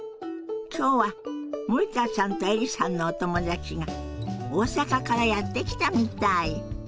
今日は森田さんとエリさんのお友達が大阪からやって来たみたい。